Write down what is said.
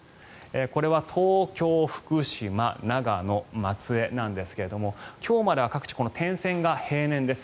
これは東京、福島長野、松江なんですが今日までは各地点線が平年です。